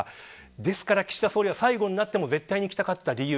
ですから最後になっても絶対に行きたかった理由。